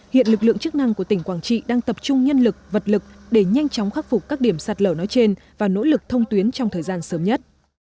hiện lực lượng chức năng của tỉnh quảng trị đang tập trung nhân lực vật lực để nhanh chóng khắc phục các điểm sạt lở nói trên và nỗ lực thông tuyến trong thời gian sớm nhất